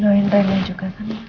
doain reina juga kan